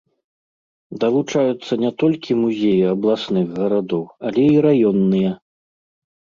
Далучаюцца не толькі музеі абласных гарадоў, але і раённыя.